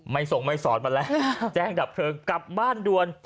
ส่งไม่สอนมาแล้วแจ้งดับเพลิงกลับบ้านด่วน